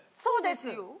そうですよ。